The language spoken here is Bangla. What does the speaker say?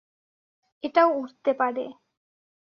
এটাও উড়তে পারে।